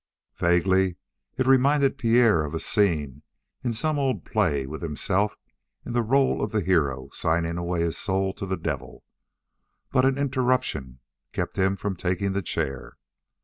Vaguely it reminded Pierre of a scene in some old play with himself in the role of the hero signing away his soul to the devil, but an interruption kept him from taking the chair.